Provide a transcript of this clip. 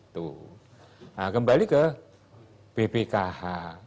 nah kembali ke bpkh